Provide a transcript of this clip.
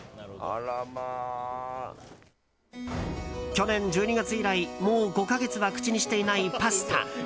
去年１２月以来もう５か月は口にしていないパスタ。